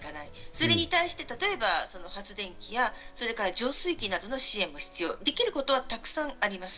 それに対して発電機や浄水器などの支援も必要、できることはたくさんあります。